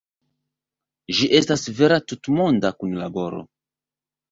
Ĝi estas vera tutmonda kunlaboro.